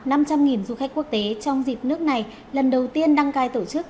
năm trăm linh du khách quốc tế trong dịp nước này lần đầu tiên đăng cai tổ chức